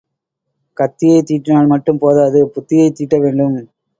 கத்தியைத் தீட்டினால் மட்டும் போதாது புத்தியைத் தீட்ட வேண்டும்.